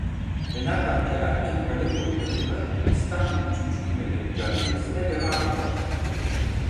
Fenerbahçe erkek voleybol takımı İstanbul üçüncü Küme'de mücadelesine devam etti.